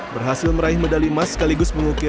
berhasil meraih medali emas sekaligus mengukir